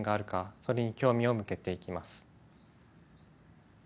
それに興味を向けていきます。